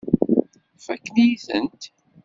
Fakken-iyi-tent.